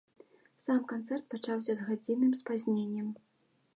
Сам канцэрт пачаўся з гадзінным спазненнем.